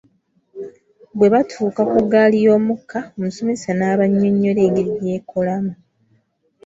Bwe baatuuka ku ggaali y’omukka omusomesa n'abannyonnyola engeri gy'ekolamu.